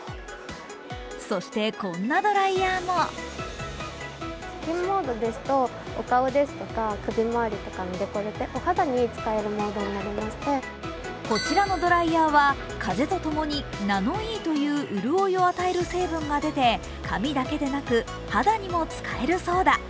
そしてこんなドライヤーもこちらのドライヤーは風とともにナノイーという潤いを与える成分が出て髪だけでなく肌にも使えるそうだ。